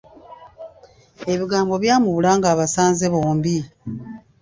Ebigambo byamubula ng'abasanze bombi.